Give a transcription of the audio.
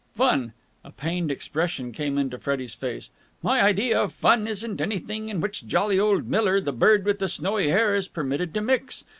"Fun!" A pained expression came into Freddie's face. "My idea of fun isn't anything in which jolly old Miller, the bird with the snowy hair, is permitted to mix.